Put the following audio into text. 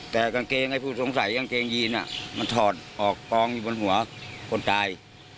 แต่กางเกงไอ้ผู้สงสัยกางเกงยีนมันถอดออกกองอยู่บนหัวคนตาย